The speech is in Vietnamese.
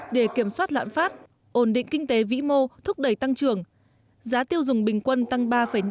để kiểm soát lãn phát ổn định kinh tế vĩ mô thúc đẩy tăng trưởng giá tiêu dùng bình quân tăng ba năm mươi ba